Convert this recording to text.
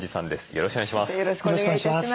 よろしくお願いします。